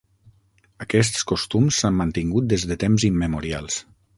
Aquests costums s'han mantingut des de temps immemorials.